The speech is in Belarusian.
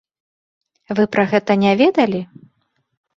Вы пра гэта не ведалі?